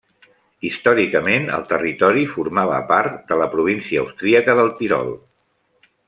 Històricament el territori formava part de la província austríaca del Tirol.